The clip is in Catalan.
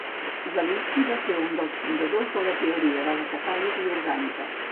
Zelinsky va ser un dels fundadors de la teoria de la catàlisi orgànica.